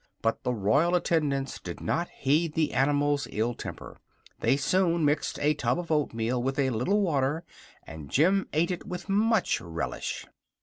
But the royal attendants did not heed the animal's ill temper. They soon mixed a tub of oatmeal with a little water, and Jim ate it with much relish.